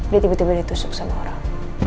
dia tiba tiba ditusuk sama orang